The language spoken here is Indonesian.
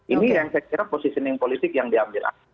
ini yang saya kira positioning politik yang diambil